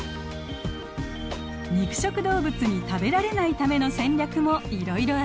肉食動物に食べられないための戦略もいろいろあります。